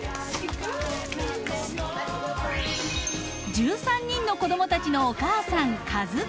［１３人の子供たちのお母さん］